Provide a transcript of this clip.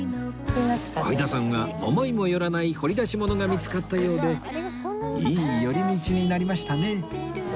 相田さんは思いもよらない掘り出し物が見つかったようでいい寄り道になりましたね